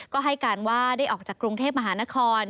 ก็ให้การว่าได้ออกจากกรุงเทพมหานคร